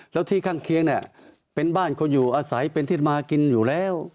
แล้วที่ข้างเคียงเนี่ยเป็นบ้านเขาอยู่อาศัยเป็นที่มากินอยู่แล้ว